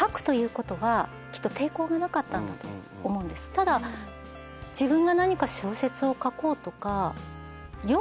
ただ自分が何か小説を書こうとか。